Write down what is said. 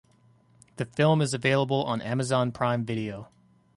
The film is available on Amazon Prime Video.